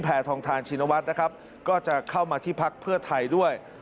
ทองทานชินวัฒน์นะครับก็จะเข้ามาที่พักเพื่อไทยด้วย